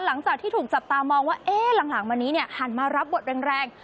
หลังจากที่ถูกจับตามองว่าหลังมานี้หันมารับบทแรง